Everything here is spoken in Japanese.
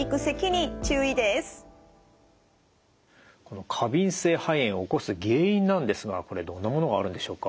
この過敏性肺炎を起こす原因なんですがどんなものがあるんでしょうか？